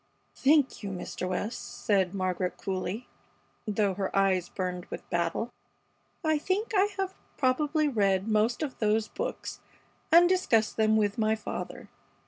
"Thank you, Mr. West," said Margaret, coolly, though her eyes burned with battle. "I think I have probably read most of those books and discussed them with my father.